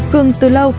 gừng từ lâu